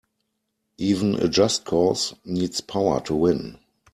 Even a just cause needs power to win.